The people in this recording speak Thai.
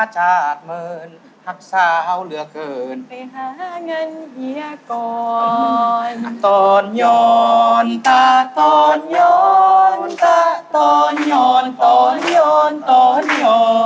น้องเห็นใจอาย